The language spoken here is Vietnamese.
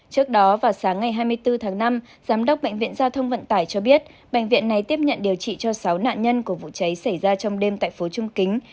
trước đó vào sáng ngày hai mươi bốn tháng năm giám đốc bệnh viện giao thông vận tải cho biết bệnh viện này tiếp nhận điều trị cho sáu nạn nhân của vụ cháy xảy ra trong đêm tại phố trung kính